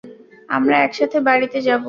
আমরা একসাথে বাড়িতে যাবো।